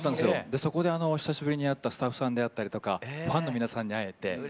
でそこで久しぶりに会ったスタッフさんであったりとかファンの皆さんに会えて。